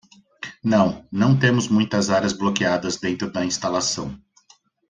Não, não temos muitas áreas bloqueadas dentro da instalação.